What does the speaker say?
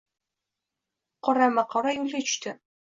Qorama-qora yo‘lga tushdi.